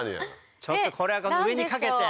ちょっとこれは上に掛けて。